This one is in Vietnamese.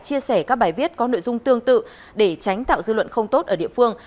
chia sẻ các bài viết có nội dung tương tự để tránh tạo dư luận không tốt ở địa phương